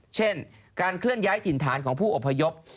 เช่นการเคลื่อนย้ายถิ่นฐานของผู้อพยพ